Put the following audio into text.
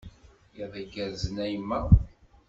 Iḍ igerrzen a yemma!